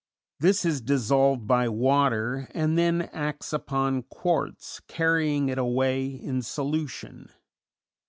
This is dissolved by water, and then acts upon quartz, carrying it away in solution.